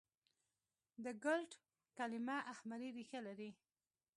د ګلټ کلیمه اهمري ریښه لري.